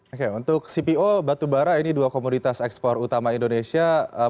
oke untuk cpo batubara ini dua komoditas ekspor utama indonesia